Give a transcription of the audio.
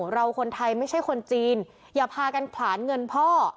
เราคนไทยไม่ใช่คนจีนอย่าพากันผลาญเงินพ่อ